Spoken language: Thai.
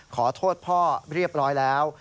ขอโทษพ่อเรียบร้อยแล้ว